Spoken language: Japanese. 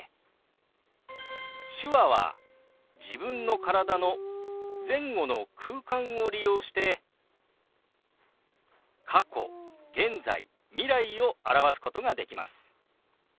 手話は自分の体の前後の空間を利用して過去現在未来を表すことができます。